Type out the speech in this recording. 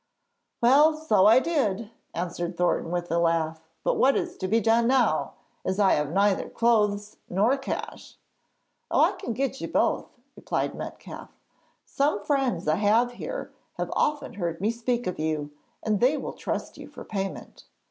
'Well, so I did,' answered Thornton with a laugh. 'But what is to be done now, as I have neither clothes nor cash?' 'Oh, I can get you both!' replied Metcalfe; 'some friends I have here have often heard me speak of you, and they will trust you for payment.'